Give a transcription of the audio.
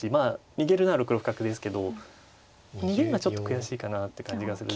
逃げるなら６六角ですけど逃げるのはちょっと悔しいかなって感じがするんで。